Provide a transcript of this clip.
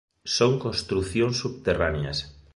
Son construcións subterráneas.